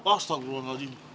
masa keluar lagi